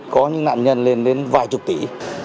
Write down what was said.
có những nạn nhân lên đến vài chục tỷ